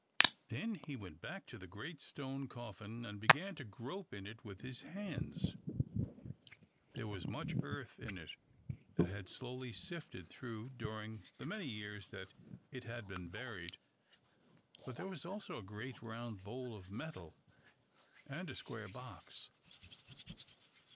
Then he went back to the great stone coffin, and began to grope in it with his hands. There was much earth in it that had slowly sifted through during the many years that it, had been buried. But there was also a great round bowl of metal and a square box.